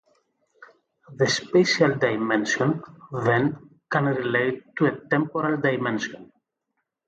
The spatial dimension, then, can relate to a temporal dimension.